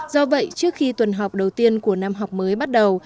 do vậy trước khi tuần học đầu tiên của năm học mới bắt đầu